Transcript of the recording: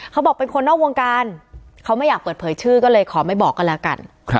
เขาบอกเป็นคนนอกวงการเขาไม่อยากเปิดเผยชื่อก็เลยขอไม่บอกก็แล้วกัน